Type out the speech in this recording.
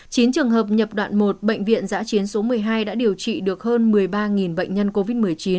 chín trường hợp nhập đoạn một bệnh viện giã chiến số một mươi hai đã điều trị được hơn một mươi ba bệnh nhân covid một mươi chín